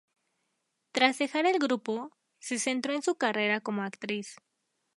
Tras dejar el grupo, se centró en su carrera como actriz.